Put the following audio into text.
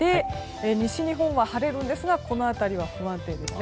西日本は晴れるんですが東北の日本海側は不安定ですね。